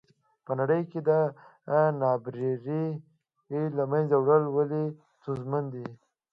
په نړۍ کې د نابرابرۍ له منځه وړل ولې ستونزمن دي.